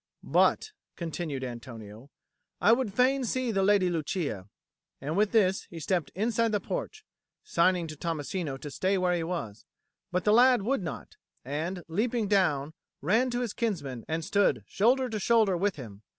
"But," continued Antonio, "I would fain see the Lady Lucia." And with this he stepped inside the porch, signing to Tommasino to stay where he was; but the lad would not, and, leaping down, ran to his kinsman and stood shoulder to shoulder with him.